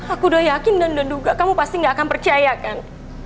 aku udah yakin dan udah duga kamu pasti gak akan percaya kan